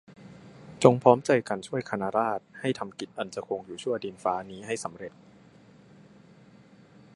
จงพร้อมใจกันช่วยคณะราษฎรให้ทำกิจอันจะคงอยู่ชั่วดินฟ้านี้ให้สำเร็จ